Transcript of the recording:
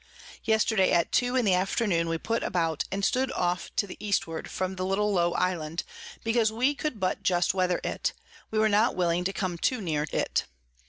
Yesterday at two in the Afternoon we put about, and stood off to the Eastward from the little low Island: because we could but just weather it, we were not willing to come too near it.